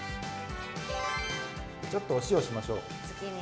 ちょっとお塩しましょう。